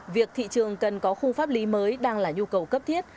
việc thị trường cần có khu pháp lý mới đang là nhu cầu cấp thiết